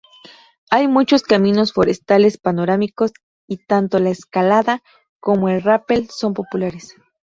Hay muchos caminos forestales panorámicos y tanto la escalada como el rápel son populares.